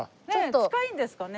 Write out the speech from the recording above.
近いんですかね？